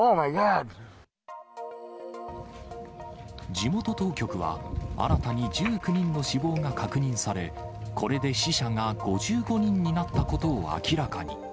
地元当局は、新たに１９人の死亡が確認され、これで死者が５５人になったことを明らかに。